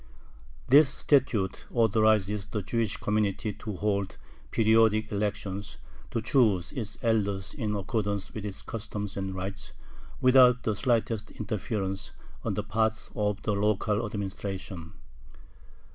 This statute authorizes the Jewish community to hold periodic elections, to choose its elders "in accordance with its customs and rights," without the slightest interference on the part of the local administration.